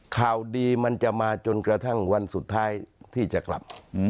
ข่าวดีมันจะมาจนกระทั่งวันสุดท้ายที่จะกลับ